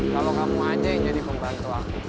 kalau kamu aja yang jadi pembantu aku